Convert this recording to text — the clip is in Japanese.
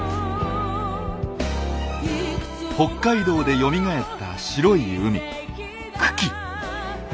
北海道でよみがえった白い海群来。